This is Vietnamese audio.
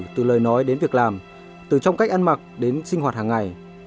từ lời nói đến việc làm từ trong cách ăn mặc đến sinh hoạt hàng ngày